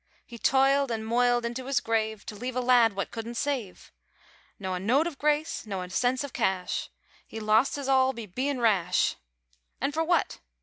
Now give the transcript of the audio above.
He toiled an' moiled into his grave To leave a lad what couldn't save! Noa note of grace, noa sense of cash! He lost his all be bein' rash! An' for what!